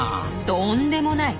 とんでもない！